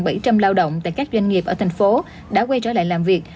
trung tâm lao động tại các doanh nghiệp ở tp hcm đã quay trở lại làm việc